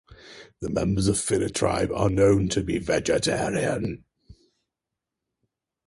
The members of Finitribe are known to be vegetarian.